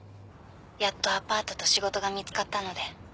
やっとアパートと仕事が見つかったので。